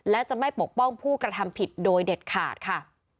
และจะไม่ปกป้องผู้กระทำผิดโดยเด็ดขาดค่ะ